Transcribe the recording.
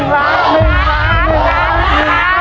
ภายในเวลา๓นาที